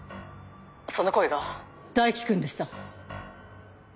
その声が大樹君でした。